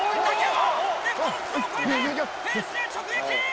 レフトの頭上を越えてフェンスへ直撃！